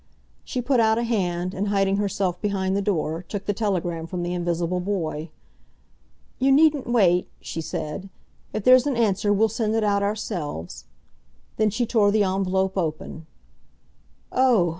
She put out a hand, and hiding herself behind the door, took the telegram from the invisible boy. "You needn't wait," she said. "If there's an answer we'll send it out ourselves." Then she tore the envelope open—"Oh!"